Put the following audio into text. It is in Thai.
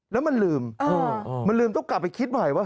แล้วมันลืมมันลืมต้องกลับไปคิดใหม่ว่า